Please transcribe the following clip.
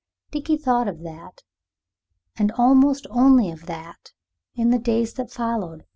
Dickie thought of that, and almost only of that, in the days that followed.